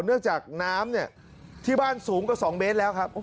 เนื่องจากน้ำเนี่ยที่บ้านสูงกว่า๒เมตรแล้วครับ